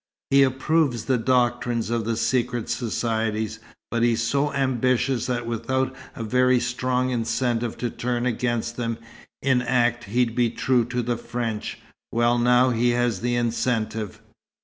He approves the doctrines of the secret societies, but he's so ambitious that without a very strong incentive to turn against them, in act he'd be true to the French. Well, now he has the incentive.